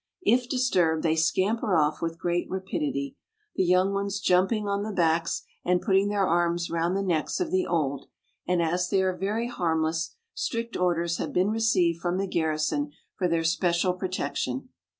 If disturbed, they scamper off with great rapidity, the young ones jumping on the backs and putting their arms round the necks of the old, and as they are very harmless, strict orders have been received from the garrison for their especial protection.